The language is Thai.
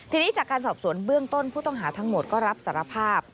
ทีนี้จากการสอบสวนเบื้องต้นผู้ต้องหาทั้งหมดก็รับสารภาพ